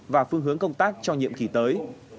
và phương hướng công tác cho nhiệm kỳ tới